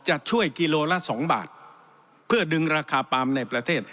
จะช่วยกิโลละสองบาทเพื่อดึงราคาปาล์มในประเทศ